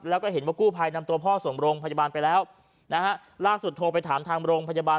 แล้วก็เห็นว่ากู้ภัยนำตัวพ่อส่งโรงพยาบาลไปแล้วนะฮะล่าสุดโทรไปถามทางโรงพยาบาล